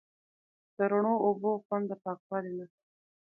د رڼو اوبو خوند د پاکوالي نښه ده.